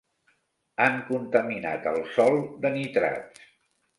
Han contaminat el sòl de nitrats.